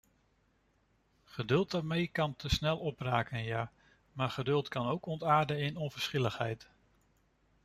Geduld daarmee kan te snel opraken, ja, maar geduld kan ook ontaarden in onverschilligheid.